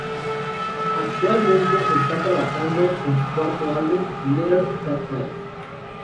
A"ctualmente, está trabajando en su cuarto álbum, "Later That Night.